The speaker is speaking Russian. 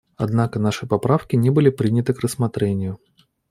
Однако наши поправки не были приняты к рассмотрению.